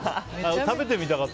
食べてみたかった。